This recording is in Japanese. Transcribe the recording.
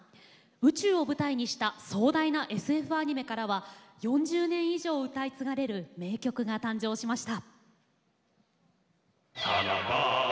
宇宙を舞台にした壮大なＳＦアニメからは４０年以上歌い継がれる名曲が誕生しました。